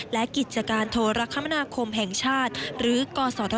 และกิจการโทรคมนาคมแห่งชาติหรือกศธ